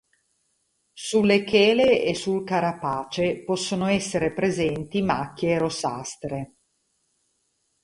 Sulle chele e sul carapace possono essere presenti macchie rossastre.